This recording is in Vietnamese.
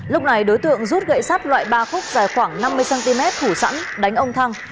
lúc này đối tượng rút gậy sắt loại ba khúc dài khoảng năm mươi cm thủ sẵn đánh ông thăng